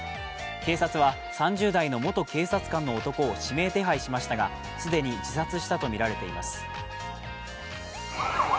警察は３０代の元警察官の男を指名手配しましたが既に自殺したとみられています。